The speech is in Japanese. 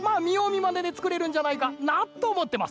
まねでつくれるんじゃないかなとおもってます。